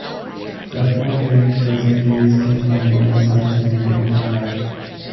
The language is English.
The fraudulent press release came from a press service named Internet Wire.